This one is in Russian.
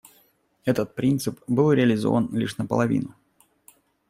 Этот принцип был реализован лишь наполовину.